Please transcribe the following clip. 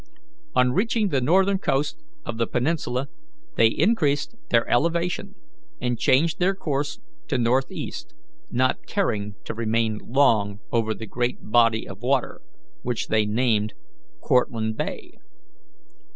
On reaching the northern coast of the peninsula they increased their elevation and changed their course to northeast, not caring to remain long over the great body of water, which they named Cortlandt Bay.